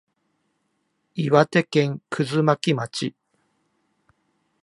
岩手県葛巻町